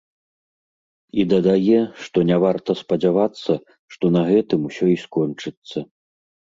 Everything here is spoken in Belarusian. І дадае, што не варта спадзявацца, што на гэтым усё й скончыцца.